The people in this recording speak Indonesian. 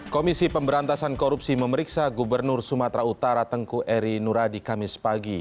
komisi pemberantasan korupsi memeriksa gubernur sumatera utara tengku eri nuradi kamis pagi